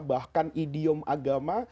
bahkan idiom agama